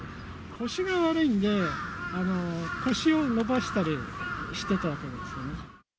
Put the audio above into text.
腰が悪いんで、腰を伸ばしたりしてたわけですよね。